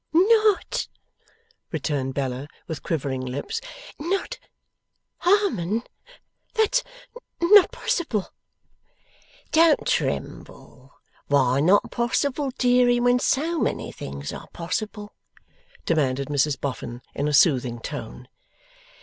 'Not,' returned Bella, with quivering lips; 'not Harmon? That's not possible?' 'Don't tremble. Why not possible, deary, when so many things are possible?' demanded Mrs Boffin, in a soothing tone.